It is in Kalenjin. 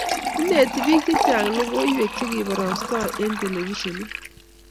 inetii biik chechang logoiywek chegibarastai eng telefishenit